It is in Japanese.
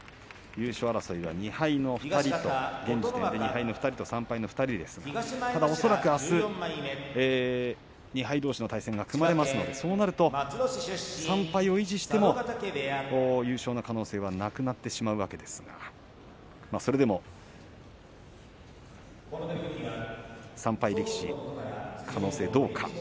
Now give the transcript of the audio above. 優勝争いは２敗の２人と現時点で３敗の２人ですが恐らくあす２敗どうしの対戦が組まれますので、そうなると３敗を維持しても優勝の可能性はなくなってしまうわけですがそれでも、３敗力士可能性どうか。